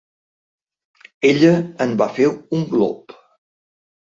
Ella en va fer un glop.